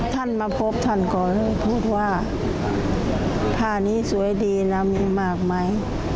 ท่านมาพบท่านก่อนพูดว่าผ้านี้สวยดีแล้วมีมากมั้ย